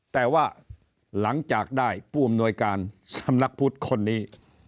แต่ว่าหลังจากได้ผู้อำนวยการสำนักพุทธคนนี้